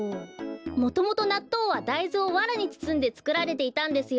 もともとなっとうはだいずをわらにつつんでつくられていたんですよ。